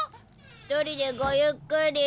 一人でごゆっくり。